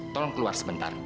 tolong keluar sebentar